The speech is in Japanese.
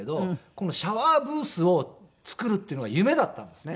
このシャワーブースを作るっていうのが夢だったんですね。